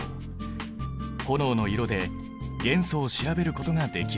炎の色で元素を調べることができる。